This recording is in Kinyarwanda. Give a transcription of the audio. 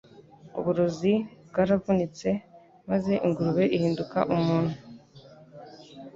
Uburozi bwaravunitse maze ingurube ihinduka umuntu.